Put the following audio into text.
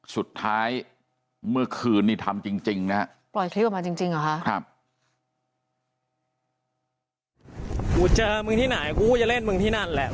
สุดท้ายเมื่อคืนนี่ทำจริงนะฮะ